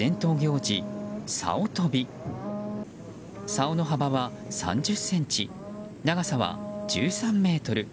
さおの幅は３０ｃｍ長さは１３ｍ。